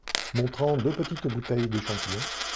Montrant deux petites bouteilles d’échantillon.